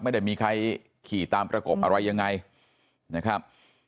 ไม่ได้มีใครขี่ตามประกบอะไรยังไงนะครับ